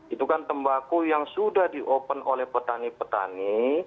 itu kan tembako yang sudah di open oleh petani petani